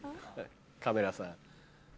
カメラさん？